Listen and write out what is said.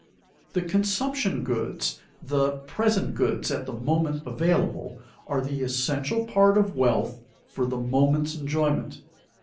_ The consumption goods, the "present goods" at the moment available, are the essential part of wealth for the moment's enjoyment.